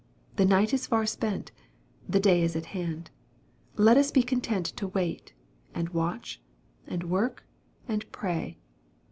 The night is far spent. The day is at hand. Let us be content to wait, and watch, and work, and pray.